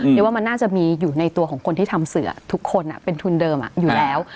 เดี๋ยวว่ามันน่าจะมีอยู่ในตัวของคนที่ทำเสือทุกคนเป็นทุนเดิมอยู่แล้ว